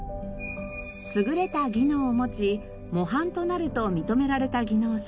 優れた技能を持ち模範となると認められた技能者